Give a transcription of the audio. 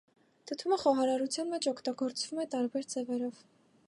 Դդումը խոհարարության մեջ օգտագործվում է տարբեր ձևերով։